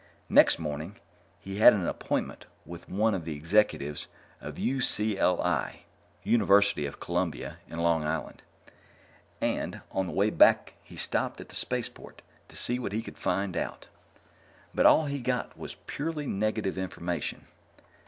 Next morning, he had an appointment with one of the executives of U.C.L.I. University of Columbia in Long Island and, on the way back he stopped at the spaceport to see what he could find out. But all he got was purely negative information.